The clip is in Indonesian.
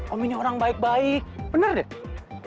om ini orang baik baik bener deh